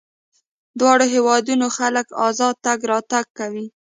دواړو هېوادونو خلک ازاد تګ راتګ کوي.